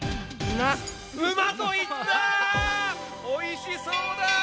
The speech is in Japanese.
おいしそうだ！